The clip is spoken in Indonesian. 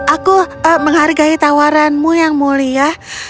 aku menghargai tawaranmu yang mulia